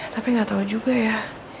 tapi gak tau juga ya